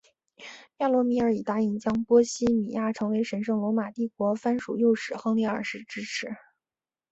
亚罗米尔以答应将波希米亚成为神圣罗马帝国藩属诱使亨利二世支持。